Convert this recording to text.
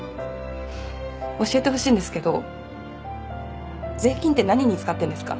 教えてほしいんですけど税金って何に使ってるんですか？